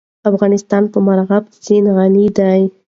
افغانستان په مورغاب سیند غني دی.